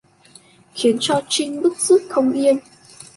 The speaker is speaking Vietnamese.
Khiến cho Trinh bứt rứt không yên